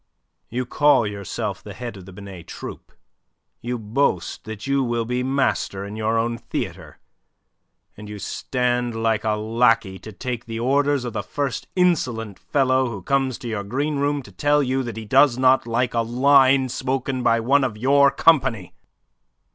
"You call yourself the head of the Binet Troupe, you boast that you will be master in your own theatre, and you stand like a lackey to take the orders of the first insolent fellow who comes to your green room to tell you that he does not like a line spoken by one of your company!